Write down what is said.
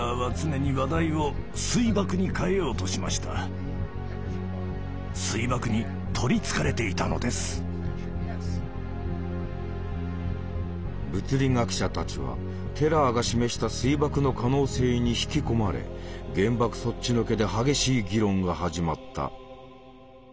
Ｎｕｃｌｅａｒｆｕｓｉｏｎ！物理学者たちはテラーが示した水爆の可能性に引き込まれ原爆そっちのけで激しい議論が始まった。